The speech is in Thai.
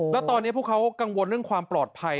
แล้วตอนนี้พวกเขากังวลเรื่องความปลอดภัย